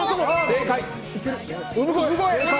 正解！